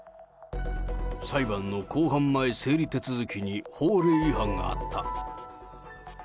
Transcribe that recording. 裁判の公判前整理手続きに法令違反があった。